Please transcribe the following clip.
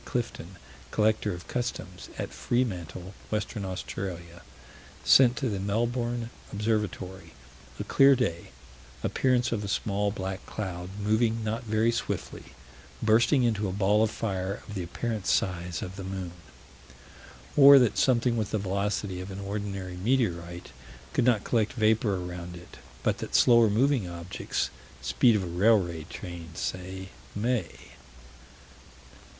Clifton, Collector of Customs, at Freemantle, Western Australia, sent to the Melbourne Observatory a clear day appearance of a small black cloud, moving not very swiftly bursting into a ball of fire, of the apparent size of the moon Or that something with the velocity of an ordinary meteorite could not collect vapor around it, but that slower moving objects speed of a railway train, say may.